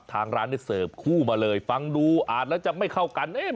ทางร้านได้เสิร์ฟคู่มาเลยฟังดูอาจจะไม่เข้ากัน